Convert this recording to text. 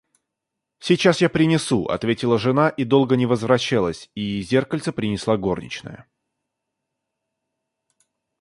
— Сейчас я принесу, — ответила жена и долго не возвращалась, и зеркальце принесла горничная.